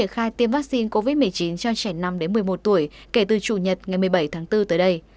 khai tiêm vaccine covid một mươi chín cho trẻ năm một mươi một tuổi kể từ chủ nhật ngày một mươi bảy tháng bốn tới đây